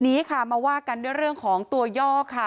นี้ค่ะมาว่ากันด้วยเรื่องของตัวย่อค่ะ